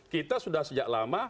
kita sudah sejak lama